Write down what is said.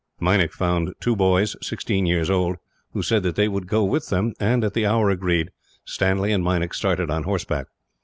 Meinik found two boys, sixteen years old, who said that they would go with them and, at the hour agreed on, Stanley and Meinik started on horseback.